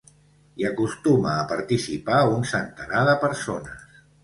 Hi acostuma a participar un centenar de persones.